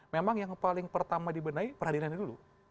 memang yang paling pertama dibedai peradilan dulu